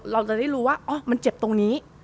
เราจะได้รู้ว่ามันเจ็บตรงนี้